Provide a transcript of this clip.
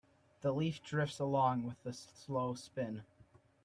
The leaf drifts along with a slow spin.